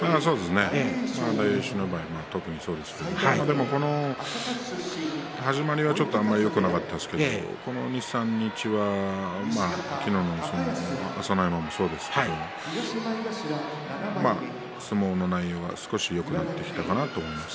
大栄翔の場合特にそうですけれど始まりはあまりよくなかったですけれどもこの２、３日は昨日の相撲の朝乃山もそうですけれど相撲の内容は少しよくなってきたかなと思います。